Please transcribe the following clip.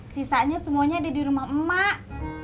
sisanya semuanya ada di rumah emak